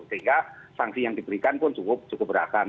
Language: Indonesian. sehingga sanksi yang diberikan pun cukup berat